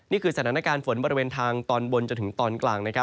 นี่คือสถานการณ์ฝนบริเวณทางตอนบนจนถึงตอนกลาง